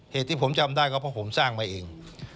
เหตุที่ผมจำได้ก็เพราะผมสร้างมาเอง